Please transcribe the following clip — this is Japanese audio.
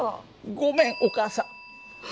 ごめんお母さん！